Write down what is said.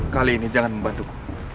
kali ini jangan membantuku